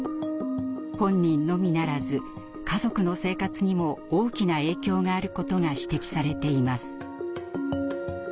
本人のみならず家族の生活にも大きな影響があることが指摘されています。